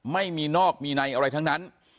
ไม่มีนอกมีในอะไรทั้งนั้น